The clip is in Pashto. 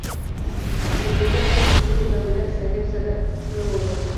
په جرګه کې محمود له ملک صاحب سره خوله ووهله.